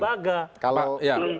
lembaga kalau ya